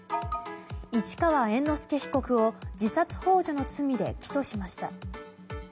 市川猿之助被告を自殺幇助の罪で起訴しました。